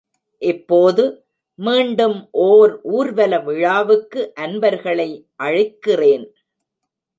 இப்போது, மீண்டும் ஓர் ஊர்வல விழாவுக்கு அன்பர்களை அழைக்கிறேன்.